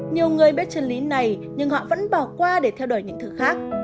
nhiều người biết chân lý này nhưng họ vẫn bỏ qua để theo đuổi những thứ khác